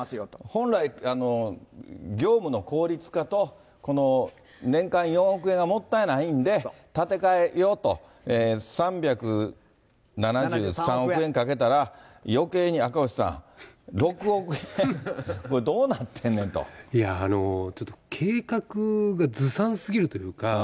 本来、業務の効率化と、年間４億円がもったいないんで、建て替えようと、３７３億円かけたら、よけいに、赤星さん、６億円、これ、いやー、ちょっと計画がずさんすぎるというか。